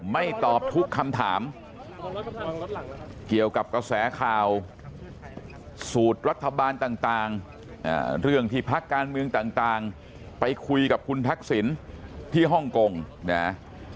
ไม่ตอบทุกคำถามเกี่ยวกับกระแสข่าวสูตรรัฐบาลต่างเรื่องที่พักการเมืองต่างไปคุยกับคุณทักษิณที่ฮ่องกงนะ